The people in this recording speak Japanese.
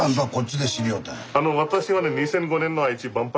私はね